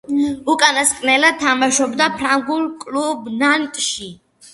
უკანასკნელად თამაშობდა ფრანგულ კლუბ „ნანტში“.